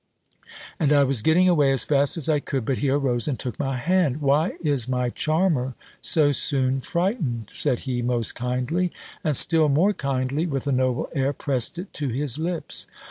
And I was getting away as fast as I could: but he arose and took my hand, "Why is my charmer so soon frightened?" said he, most kindly; and still more kindly, with a noble air, pressed it to his lips.